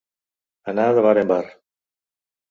Anar de bar en bar.